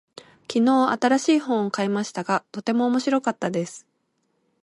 昨日、新しい本を買いましたが、とても面白かったです。